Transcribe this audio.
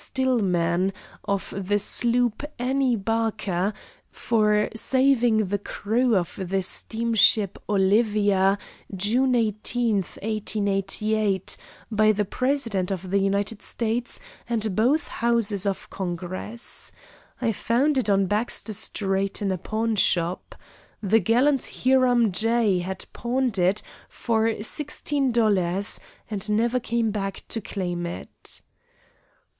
Stillman, of the sloop Annie Barker, for saving the crew of the steamship Olivia, June 18, 1888,' by the President of the United States and both houses of Congress. I found it on Baxter Street in a pawnshop. The gallant Hiram J. had pawned it for sixteen dollars and never came back to claim it."